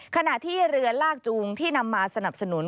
ขณะที่เรือลากจูงที่นำมาสนับสนุน